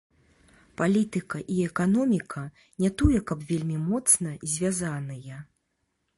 Палітыка і эканоміка не тое каб вельмі моцна звязаныя.